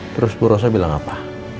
terus bu rosa bilang apa